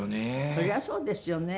そりゃそうですよね。